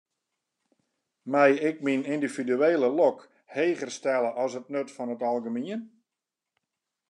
Mei ik myn yndividuele lok heger stelle as it nut fan it algemien?